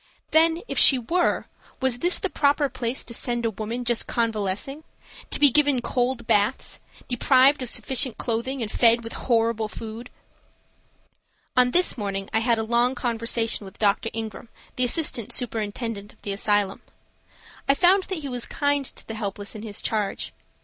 Then if she were, was this the proper place to send a woman just convalescing, to be given cold baths, deprived of sufficient clothing and fed with horrible food? On this morning I had a long conversation with Dr. Ingram, the assistant superintendent of the asylum. I found that he was kind to the helpless in his charge.